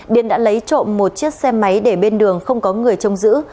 điền đã lấy trộm một chiếc xe máy để bên đường không có người trông giữ